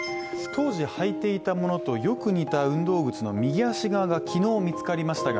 当時履いていたものとよく似た運動靴の右足側が昨日見つかりました